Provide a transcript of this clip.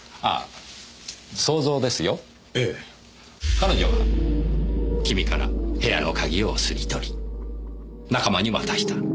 彼女はキミから部屋の鍵を掏リ取り仲間に渡した。